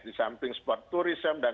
di samping sport tourism dan